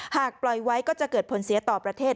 หากปล่อยไว้ก็จะเกิดผลเสียต่อประเทศ